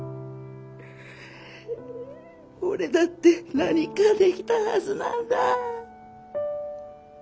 俺だって何かできたはずなんだ。